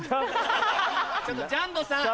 ちょっとジャンボさん。